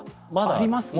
ありますね。